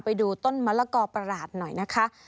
ไปดูต้นมะละกอประหลาดหน่อยนะคะ